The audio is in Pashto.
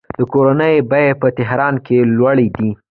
د کورونو بیې په تهران کې لوړې دي.